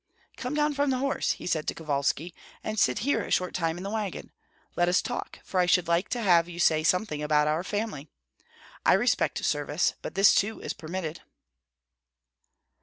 "Come down from the horse," said he to Kovalski, "and sit here a short time in the wagon; let us talk, for I should like to have you say something about our family. I respect service, but this too is permitted."